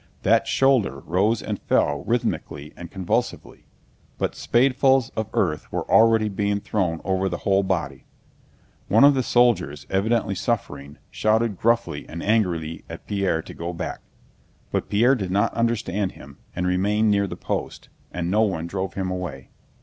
That shoulder rose and fell rhythmically and convulsively, but spadefuls of earth were already being thrown over the whole body. One of the soldiers, evidently suffering, shouted gruffly and angrily at Pierre to go back. But Pierre did not understand him and remained near the post, and no one drove him away.